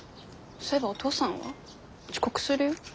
そういえばお父さんは？遅刻するよ？